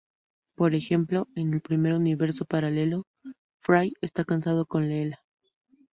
Por ejemplo, en el primer universo paralelo, Fry está casado con Leela.